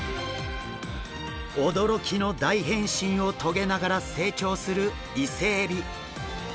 驚きの大変身を遂げながら成長するイセエビ。